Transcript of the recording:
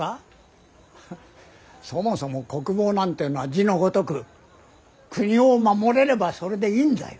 ハッそもそも国防なんてのは字のごとく国を守れればそれでいいんだよ。